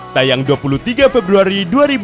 tayang dua puluh tiga februari dua ribu dua puluh